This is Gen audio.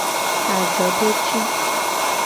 Ajodoci.